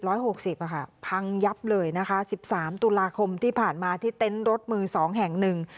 หกสิบอ่ะค่ะพังยับเลยนะคะสิบสามตุลาคมที่ผ่านมาที่เต็นต์รถมือสองแห่งหนึ่ง